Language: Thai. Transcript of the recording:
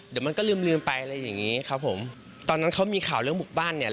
เดี๋ยวมันก็ลืมลืมไปอะไรอย่างงี้ครับผมตอนนั้นเขามีข่าวเรื่องบุกบ้านเนี่ย